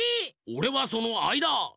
おれはそのあいだ！